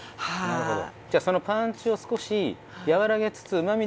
なるほど。